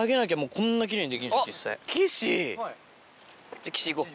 じゃあ岸いこう。